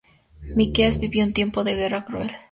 Miqueas vivió un tiempo de guerra cruel.